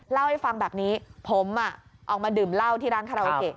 เล่าให้ฟังแบบนี้ผมออกมาดื่มเหล้าที่ร้านคาราโอเกะ